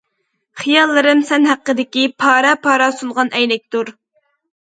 خىياللىرىم سەن ھەققىدىكى- پارە- پارە سۇنغان ئەينەكتۇر.